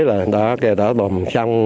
là đã đồng xăng